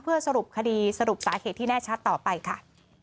เพื่อสรุปคดีสรุปสาเหตุที่แน่ชัดต่อไปค่ะ